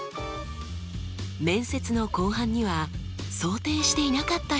面接の後半には想定していなかった質問が来ました。